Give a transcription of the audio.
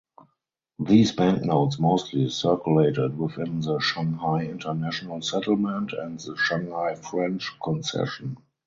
These banknotes mostly circulated within the Shanghai International Settlement and the Shanghai French Concession.